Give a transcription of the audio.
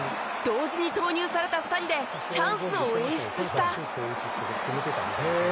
同時に投入された２人でチャンスを演出した。